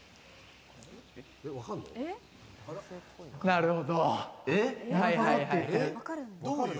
なるほど。